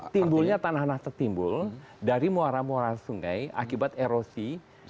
timbulnya tanah tanah setimbul dari muara muara sungai akibat erosi